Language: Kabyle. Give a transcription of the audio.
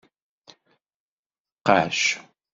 Qacc.